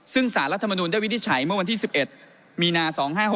ซึ่งสารรัฐมนุนได้วินิจฉัยเมื่อวันที่๑๑มีนา๒๕๖๖